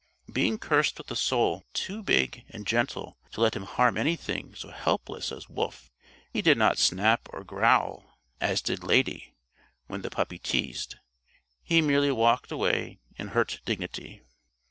Being cursed with a soul too big and gentle to let him harm anything so helpless as Wolf, he did not snap or growl, as did Lady, when the puppy teased. He merely walked away in hurt dignity.